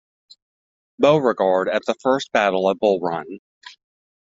Beauregard at the First Battle of Bull Run.